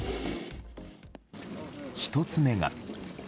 １つ目が。